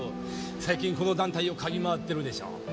最近この団体をかぎ回ってるでしょ。